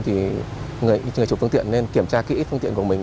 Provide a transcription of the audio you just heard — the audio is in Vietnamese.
thì chủ phương tiện nên kiểm tra kỹ phương tiện của mình